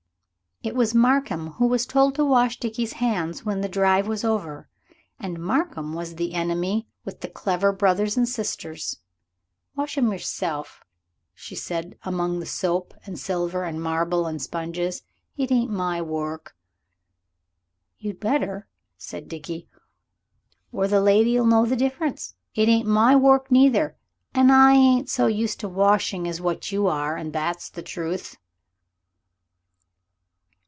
It was Markham who was told to wash Dickie's hands when the drive was over, and Markham was the enemy with the clever brothers and sisters. "Wash 'em yourself," she said among the soap and silver and marble and sponges. "It ain't my work." "You'd better," said Dickie, "or the lady'll know the difference. It ain't my work neither, and I ain't so used to washing as what you are, and that's the truth."